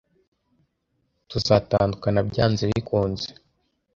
tuzatandukana byanze bikunze